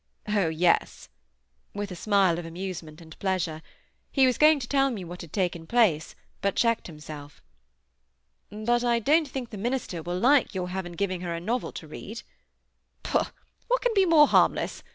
"Oh! yes"—with a smile of amusement and pleasure. He was going to tell me what had taken place, but checked himself. "But I don't think the minister will like your having given her a novel to read?" "Pooh! What can be more harmless?